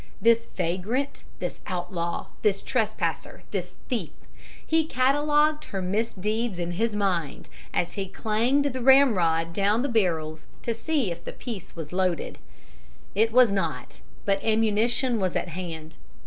This vagrant, this outlaw, this trespasser, this thief he catalogued her misdeeds in his mind as he clanged the ramrod down the barrels to see if the piece was loaded. It was not. But ammunition was at hand.